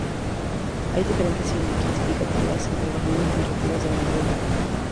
Hay diferencias significativas entre las líneas narrativas de la novela y esta adaptación cinematográfica.